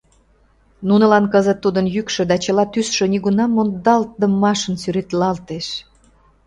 Нунылан кызыт тудын йӱкшӧ да чыла тӱсшӧ нигунам мондалтдымашын сӱретлалтеш.